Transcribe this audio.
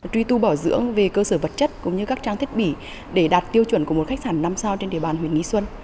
truy tu bảo dưỡng về cơ sở vật chất cũng như các trang thiết bị để đạt tiêu chuẩn của một khách sạn năm sao trên địa bàn huyện nghi xuân